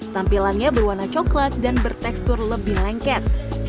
tampilannya berwarna coklat dan bertekstur lebih lengket